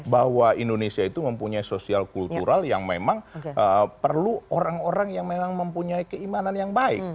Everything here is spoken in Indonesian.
bahwa indonesia itu mempunyai sosial kultural yang memang perlu orang orang yang memang mempunyai keimanan yang baik